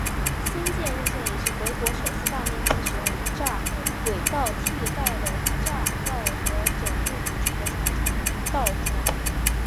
新建线路也是德国首次大面积使用无砟轨道替代了由道砟和枕木组成的传统道床。